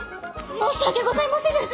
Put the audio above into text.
申し訳ございませぬ！